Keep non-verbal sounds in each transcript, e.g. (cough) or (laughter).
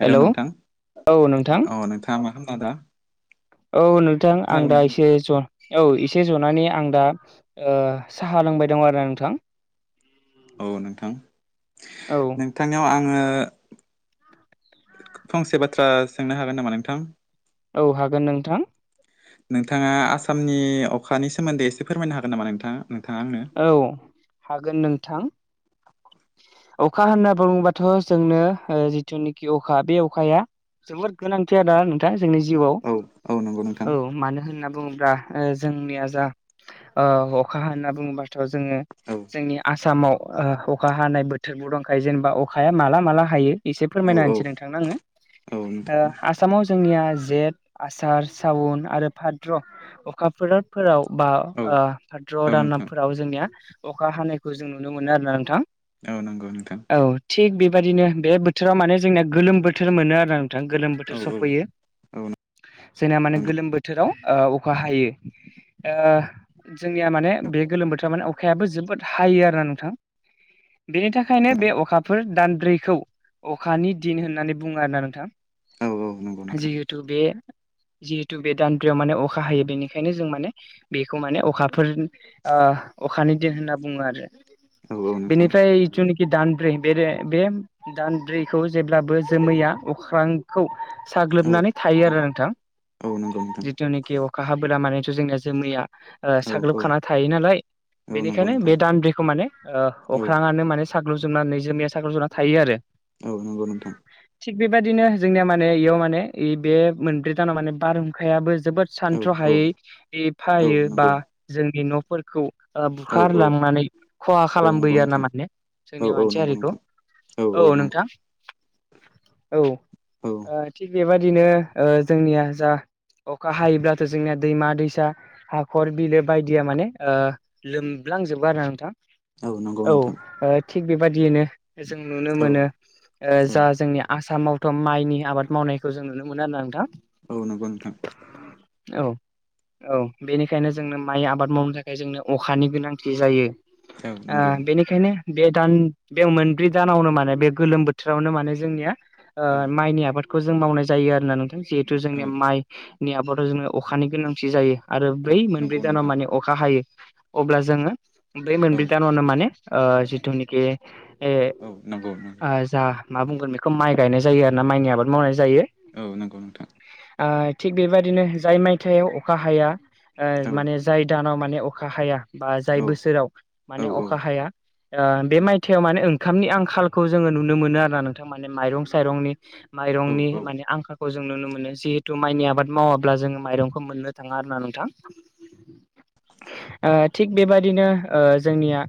हेल' hello नोंथां औ नोंथां अ नोंथांङा मा खालामना दा औ नोंथां आं खोनादोंना दा एसे ज' औ एसे ज'नानै आं दा ओ साहा लोंबाय दं आरोना नोंथां। औ नोंथां औ नोंथांनियाव आंङो फंसे बाथ्रा सोंनो हागोन नामा नोंथां? औ हागोन नोंथां, नोंथांङा आसामनि अखानि सोमोन्दै एसे फोरमायनो हागोन नामा नोंथांङा? औ हागोन नोंथां। अखा होनना बुंङोबाथ' जोंनो ओ जिथुनिखि अखा बे अखाया जोबोद गोनांथिआ दा नोंथां जोंनि जिउआव औ औ नंगौ नोंथां औ मानो होनना बुंङोब्ला (inaudible) जोंनिया जा ओ अखा होनना बुंङोबाथ' जोंङो औ जोंनि आ सामाव ओ अखा हानाय बोथोरबो दंखायो जेनेबा अखाया माला-माला हायो, एसे औ फोरमायना औ होनसै नोंथांनो आंङो औ ओ नोंथां आसामाव जोंनिया जेट, आसार, सावन आरो भाद्र' अखाफोर-फोराव बा औ ओ भाद्र औ नोंथां दानाफोराव जोंनिया अखा हानायखौ जों नुनो मोनो आरो ना नोंथां। औ नंगौ नोंथां। औ थिग बेबायदिनो बे बोथोरा माने जोंनिया गोलोम बोथोर मोनो आरो थां गोलोम औ बोथोर औ सफैयो औ नंगौ जोंना माने गोलोम बोथोराव ओ अखा हायो। ओ जोंनिया माने बे गोलोम बोथोराव माने अखायाबो जोबोद हायो आरोना नोंथां, बेनि थाखायनो बे नोंथां अखाफोर दानब्रैखौ अखानि दिन होननानै बुंङो आरोना औ नंगौ नोंथां। नोंथां जिहुथु बे जिहेतु बे दानब्रैयाव माने अखा हायो बेनिखायनो जों माने बेखौ माने अखाफोर ओ ओ अखानि दिन होनना बुंङो आरो। औ नोंथां बेनिफ्राय जिथुनि खि दानब्रै बेरे बे दानब्रैखौ जेब्लाबो जोमैया अख्रांखौ औ साग्लोबनानै थायो औ आरो नोथां औ नंगौ नोंथां जिथुनाखि अखा हाबोला मानेथ' जोंनिया जोमैया ओ औ औ साग्लोबखाना थायो नालाय औ नंगौ बेनिखायनो नोंथां बे दानब्रैखौ माने ओह औ अख्रांआनो माने साग्लुजोबनानै जोमैया साग्लोब जोबना थायो आरो। औ नंगौ नोंथां थिग बेबादिनो जोंनिया माने इयाव माने इबे मोनब्रै जानाव माने बारहुंखायाबो जोबोद औ औ सान्थ्र'हायै यै औ फायो बा नंगौ जोंनि न'फोरखौ ओ औ औ बुखारलांनानै खहा औ नंगौ खालामबोयो आरो ना नोंथां माने औ जोंनि औ मानसि नंगौ हारिखौ नोंथां औ नोंथां। औ ओ औ थिग बेबादिनो ओ जोंनिया जा अखा हायोब्लाथ' जोंनिया दैमा दैसा हाखर बिलो बायदिया माने ओ लोम लांजोबो आरोना नोंथां। औ नंगौ नोंथां। थिग बेबदियैनो जों नुनो औ मोनो ओ औ जा जोंनि आस सामावथ' माइनि आबाद मावनायखौ जों नुनो मोनो आरोना नोंथां। औ नोंगौ नोंथां। औ औ बेनिखायनो जोंनो माइ आबाद मावनो थाखाय जोंनो अखानि गोनांथि जायो। औ ओ नंगौ बेनिखायनो बे दान बे मोनब्रै दानावनो माने बे गोलोम बोथोरावनो माने जोंनिया ओ औ माइनि आबादखौ जों मावनाय जायो आरोना नोंथां। जिहेथु औ जोंनिया माइ नि आबादाव जोङो अखानि गोनांथि जायो। आरो औ ब्रै मोनब्रै नंगौ दानाव नोंथां माने अखा हायो। अब्ला जोङो बै औ मोनब्रै दानावनो माने ओ जिथुनिखि ए औ नंगौ नंगौ ओ जा मा बुंगोन बेखौ माइ गायनाय जायो आरो ना। माइनि आबाद मावनाय जायो औ नंगौ नोंथां। ओ थिग बेबादिनो जाय मायथायाव अखा हाया ओ औ माने जाय दानाव माने अखा हाया बा जाय औ बोसोराव औ माने औ अखा हाया ओ बे मायथाइयाव मान ने ओंखामनि आंखालखौ जोङो नुनो मोनो आरो ना नोंथां। माने माइरं साइरंनि औ माइरंनि औ माने आंखालखौ जों नुनो मोनो। जिहेथु माइनि आबाद मावाब्ला जोङो माइरंखौ मोननो थाङा आरोना नोंथां। ओ थिग बेबादिनो ओ जोंनिया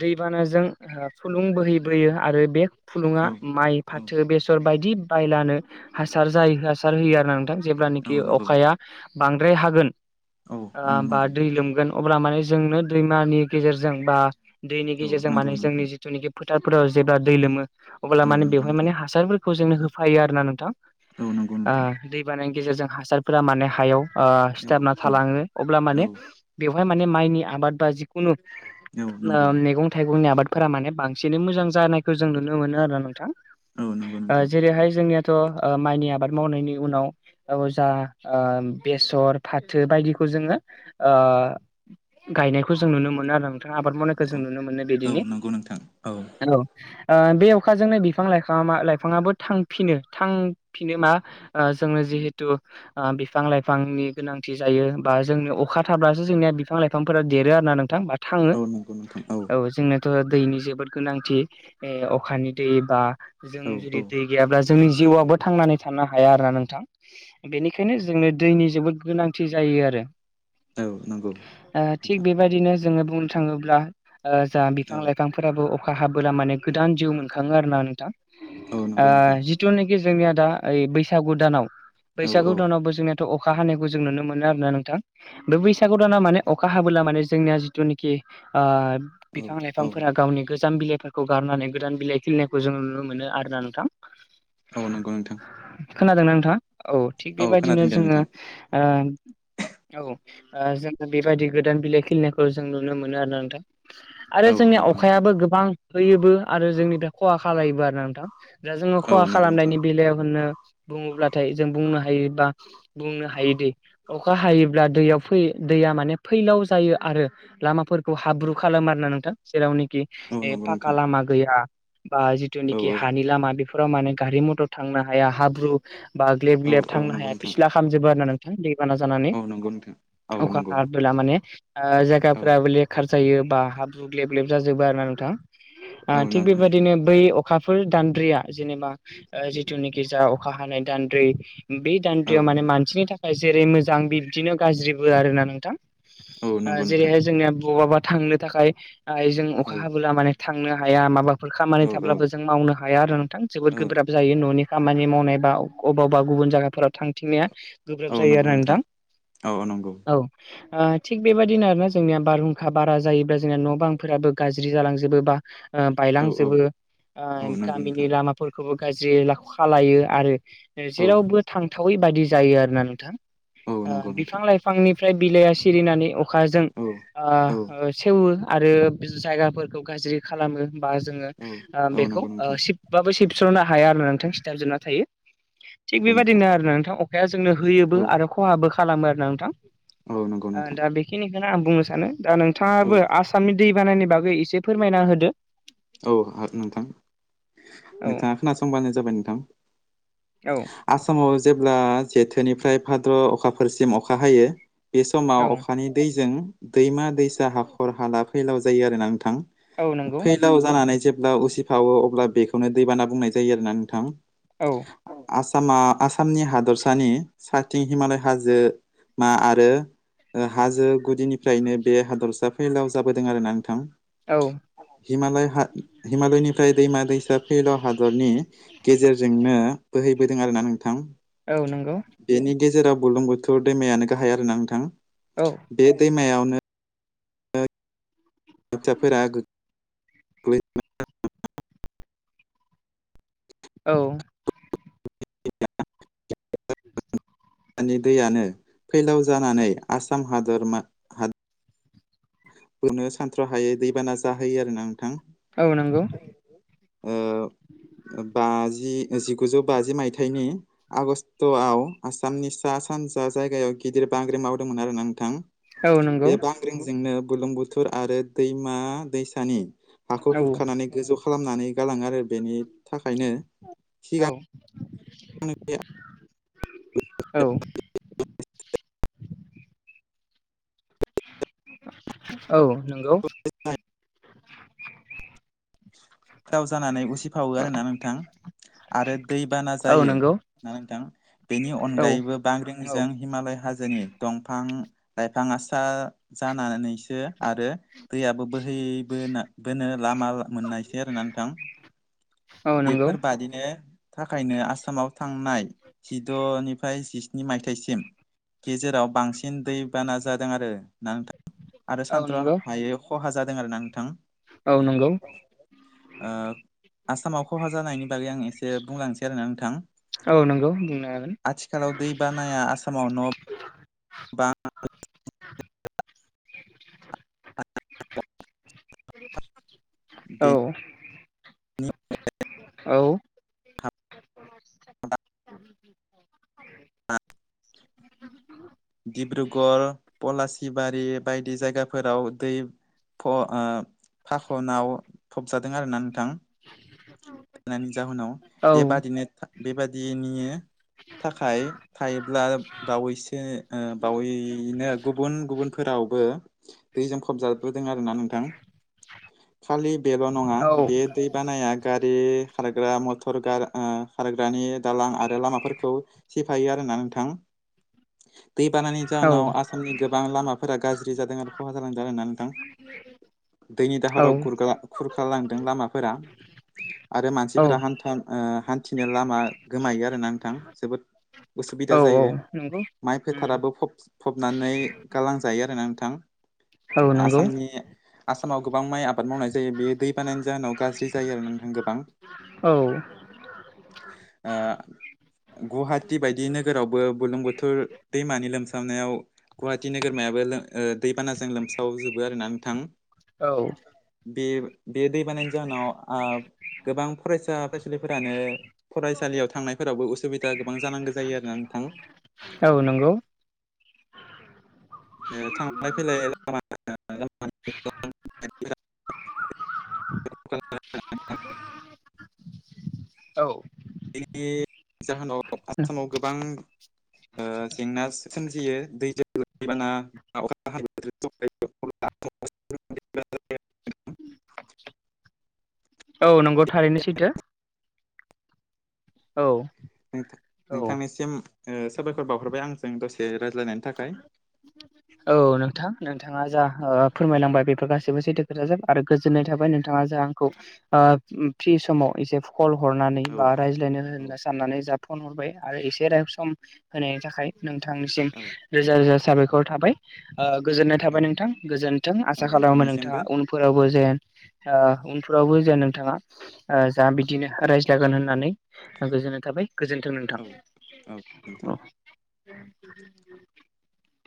दैबानाजों ओ फुलुं बोहैबोयो। आरो बे औ फुलुङा माइ फाथो बेसर बायदि बायलानो हासार जायो हासार होयो आरोना नोंथां। औ जेब्लानोखि नंगौ अखाया बांद्राय हागोन औ औ ओ बा नंगौ दै लोमगोन। अब्ला माने जोंनो दैमानि गेजेरजों बा दैनि औ गेजेरजों नंगौ माने नोंथां जोंनि जिथुनिखि फोथारफोराव जेब्ला दै लोमो अब्ला औ माने नंगौ बेवहाय नोंथां माने हासारफोरखौ जोंनो होफायो आरोना नोंथां। औ नंगौ नोंथां ओ दैबानानि गेजेरजों हासारफोरा माने हायाव ओ औ सिथाबना औ थालाङो। अब्ला माने औ बेवहाय माने माइनि आबाद बा जिखुनु औ नंगौ नोम मैगं थाइगंनि आबादफोरा माने बांसिनै मोजां जानायखो जों नुनो मोनो आरोना नोंथां। औ नंगौ ओ नोंथां जेरैहाय जोंनिया थ' ओ माइनि आबाद मावनायनि उनाव औ जा ओ बेसर, फाथो बायदिखौ जोङो ओ गायनाय खौ जों नुनो मोनो आरोना नोंथा। आबाद मावनायखो औ जों नुनो मोनो औ बिदिनो नंगौ नोंथां औ। ओ बे अखाजोंनो बिफां लाइफां मा लाइफाङाबो थांफिनो थांफिनो मा ओ जोंनो जिहेथु ओ बिफां लाइफांनि गोनांथि जायो। बा जोंनो अखा थाब्लासो जोंनिया बिफां लाइफांफोरा देरो आरो ना नोंथां बा थाङो। औ नंगौ नोंथां औ जोंनो थ' दैनि जोबोद गोनांथि ए अखानि दै बा जों औ जुदि औ दै गैयाब्ला जोंनि जिउआबो थांनानै थानो हाया आरोना नोंथां। बेनिखायनो जोंनो दैनि जोबोद गोनांथि जायो। ए आरो। औ नंगौ। ओ थिग नोंथां बेबायदिनो जोङो बुंनो थाङोब्ला ओ जा बिफां औ लाइफांफोराबो अ अखा हाबोला माने गोदान जिउ मोनखाङो आरो ना नोंथां। औ ओ नंगौ नोंथां जिथु खि जोंनिया दा ओइ बैसागु दानाव औ बैसागु औ दानावबो जोंनिया थ' अख अखा हानायखौ जों नुनो मोनो आरोना नोंथां। बे बैसागु दाना माने अख खा हाबोबला माने जोंनिया जिथुनिखि ओ औ बिफां औ लाइफांफोरा गावनि गोस गोजाम बिलाइफोरखौ गारनानै गोदान बिलाइ खिलिनायखौ जों नुनो मोनो आरोना नोंथां। औ नंगौ नोंथां। खोनादोंना नोंथाङा? औ थिग बेबायदिनो खोनादों दे जोङो नोंथां ओ औ ओ जोङो बेबायदि गोदान बिलाइ खिलिनायखौ जों नुनो मोनो आरो नोंथां। आरो औ जोंनिया नंगौ नोंथां अखायाबो गोबां होयोबो आरो जोंनिफ्राय खहा खालायोबो आरो नोंथां। दा जोङो औ खहा नंगौ नोंथां खालामनायनि बेलायाव होननो बुङोब्लाथाय जों बुंनो हायो बा बुंनो हायोदि अखा हायोब्ला दैयाव फै दैया माने फैलाव जायो आरो लामाफोरखौ हाब्रु खालामो आरो ना नोंथां जेरावनोख खि औ नंगौ पाका नोंथां लामा गैया बा औ जिथुनिख औ हानि लामा। फ्राव माने गारि मथर थांनो हाया हाब्रु बा ग्लेब औ ग्लेब औ थांनो नंगौ हाया नोंथां फिसिला खालामामजोबबो आरोनोंथ बाना जानानै औ नंगौ नोंथां औ अखा नंगौ हा माने ओ औ जायगाफोराबो लेखार जायो बा हाब्रु ग्लेब लेब जाजोबो आरो ना नोंथां। ओ औ थिग नंगौ नोंथां बेबायदिनो बै अखाफोर दान्द्रिया जेनेबा जिथुनोखि जा अखा हानाय दान्द्रि बे औ दानद्रियाव माने औ मानसिनि थाखाय जेरै मोजां बिब्दिनो गाज्रिबो आरोना नोंथां। औ नंगौ नोंथां जेरैहाय जोंनिया बबाबा थांनो थाखाय जों औ अखा हाबोला माने थांनो हाया माबाफोर खामानि औ औ थाब्लाबो जों मावनो हाया आरो नोंथां जोबोद औ गोब्राब जायो न'नि खामानि मावनाय बा अबावबा गुबुन जायगाफोराव थांथिंनाया। गोब्राब औ जायो नंगौ आरोना नोंथां औ औ नंगौ औ ओ थिग बेबायादिनो आरोना जोंनिया बारहुंखा बारा जायोब्ला जोंनिया न' बांफोराबो गाज्रि जालांजोबोबा। ओ औ औ बायलांजोबो औ नंगौ गामिनि नोंथां लामाफोरखौबो गाज्रि खालायो आरो औ जेरावबो थांथावै बायदि जायो आरोना नोंथां औ ओ नंगौ बिफां नोंथां लाइफांनि इनिफ्राय बिलाइया सिरिनानै अखाजों औ औ ओ सेवो। आरो जायगाफोरखौ गाज्रि खालामो बा जोङोओ औ बेखौ नंगौ नोंथां सिबबाबो सिब सिस्र'नो हाया आरो नोंथां सिटार जोबना थायो थिग औ नोंथां बेबायदिनो आरो नोंथां। अखाया जोंनो होयोबो औ आरो खहाबो खालामो आरो ना नोंथां। औ नंगौ ओ नोंथां। दा बेखिनिखौनो आं बुंनो सानो दा औ नोंथाङाबो आसामनि दै बानायनि बागै एसे फोरमायना होदो। औ नोंथां नोंथाङा औ खोनासंबानो जाबाय नोंथां। औ आसामाव जे जेब्ला जेथोनिफ्राय भाद्र' अखाफोरसिम अखा हायो बे समाव औ अखानि दैजों दैमा दैसा हाखर हाला फैलाव जायो आरोना नोंथां। औ नंगौ। फैलाव जेब्ला उसिफावो अ बेखौनो दैबाना बुंनाय जायो आरोना नोंथां। औ आसामा आसामनि हादरसानि साथिं हिमालय हाजोमा आरो हाजो गुदिनिफ्रायनो बे हादरसा फैलाव जाबोदों आरोना नोंथां। औ हिमालय हा हिमालयनिफ्राय दैमा दैसा फैलाव हादरनि गेजेरजोंनो बोहैबोदों आरोना नोंथां। औ नंगौ। बेनि गेजेराव बुरलुंबोथोर दैमायानो गाहाय आरोना नोंथां औ बे दैमायावनो (unintelligible) औ (unintelligible) (inaudible) दैमानि दैयानो फैलाव जानानै आसाम हादरमा हा बोनो सानथ्र' हायै दैबाना जाहोयो आरोना नोंथां। औ नंगौ ओ बाजि जिगुजौ बाजि मायथाइनि आगष्टआव आसामनि सा सानजा जायगायाव गिदिर बांग्रि मावदोंमोन आरोना नोंथां। औ बे नंगौ बांग्रिंजोंनो बुलुं बुथुर आरो दैमा दैसानि हाखौ औ खुरखानानै गोजौ खालामनानै गालाङो आरो बेनि थाखायनो औ सिगां (unintelligible) औ औ नंगौ। गाव जानानै उसिफावो आरोना नोंथां आरो दैबाना औ जायो। नंगौ होना नोंथां बेनि औ औ अनगायैबो बाग्रिंजों हिमालय हाज जोनि दंफां लाइफां सा जानानैसो आरो दैआबो बोहैयो (unintelligible) नो लामा मोननायसै आरोना नोंथां औ नंगौ बेफोरबादिनो थाखायनो आसामाव थांनाय जिद'निफ्राय जिस्नि मायथायाइसिम गेजेराव बांसिन दैबाना जादों आरो ना नोंथां? आरो औ सानथ्र' नंगौ हायै खहा जादों आरोना नोंथां औ नंगौ ओ आसामाव खहा जानायनि बागै आं एसे बुंलांसै आरोना नोंथां औ नंगौ बुंनो हागोन आथिखालाव दैबानाया आसामाव न' बा (unintelligible) (unintelligible) औ बे औ (unintelligible) ओ डिब्रुगर पलासि थिबारि बायदि जायगाफोराव दै ओ फाखनाव फबजादों आरोना नोंथां? जायनि जाहोनाव औ बेबादिनो बेबादिनि थाखाय थायोब्ला बावैसो ओ बावैनो गुबुन गुबुनफोराव फोराव बो दैजों फबजाबो दों आरोना नोंथां खालि बेल' नङा औ बे दै बानाया गारि खारग्रा मथर गार ओ खाग्रानि दालां आरो लामाफोरखौ सिफायो आरोना नोंथां? दैबानानि जाहोनाव आसामनि गोबां लामाफोरा गाज्रि जादों आरो खहाजालादों आरो ना नोंथां दैनि दाहाराव खुरखालांदों लामाफोरा आरो औ मानसिफोरा हान्था हान्थिनो लामा गोमायो आरोना नोंथां जोबोद उसुबिदा औ जायो नंगौ माइ उम फेटाराबो फ फबनानै गालांजायो आरोना नोंथां? औ नंगौ आसामनि आसामाव गोबां माइ आबाद मावनाय जायो बे दै बानायनि जाहोनाव गाज्रि जायो नोंथां गोबां औ ओ गुवाहाटि बायदि नोगोरावबो बुलुं बुथोर दैमानि नो लोमसावनायाव गुवाहाटि नोगोरमायाबो ओ दैबानाजों लोमसावजोबो आरोना नोंथां? औ बेे दैै बानानि जाहोनाव ओ गोबां फरायसा फरायसुलिफोरानो फरायसालियाव थांनायफोरावबो उसुबिदा गोबां जांगौ जायो आरोना नोंथां? औ नंगौ ओ थांलाय फैलाय (unintelligible) (unintelligible) औ जोंनि जाहोनाव आसामाव गोबां ओ जेंना सोमजियो दैबाना (unintelligible) (unintelligible) औ नंगौ थारैनो सैथो। औ (unintelligible) नोंथांनिसिम साबायखर बावहरबाय आंजों दसे रायज्लायनायनि थाखाय। औ नोंथां नोंथाङा जा फोरमायलांबाय बेफोर गाससिबोसै दोखोथाजोब आरो गोजोननाय थाबाय नोंथाङा जा आंखौ फ्रि समाव एसे फल हरनानै औ बा रायज्लायनो होनना साननानै जा फन हरबाय आरो एसे सम होनायनि थाखाय नोंथांनिसिम औ रोजा रोजा साबायखर थाबाय। गोजोन्नाय थाबाय औ नोंथां गोजोनथों औ आसा खालामो नोंथाङा नोंथांनिसिमबो उनफोरावबो जेन ओ उनफ्रावबो जे नोंथाङा जा बिदिनो रायज्लगोन होननानै गोजोननाय थाबाय। गोजोन्थों नोंथां। औ औ नोंथां